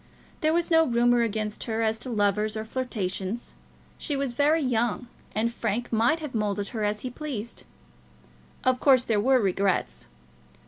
There was no rumour against her as to lovers or flirtations. She was very young, and Frank might have moulded her as he pleased. Of course there were regrets.